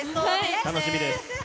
楽しみです。